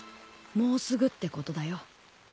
もうすぐってことだよ。